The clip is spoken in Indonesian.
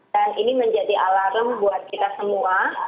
dan ini menjadi alarm buat kita semua